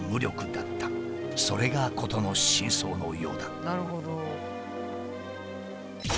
それが事の真相のようだ。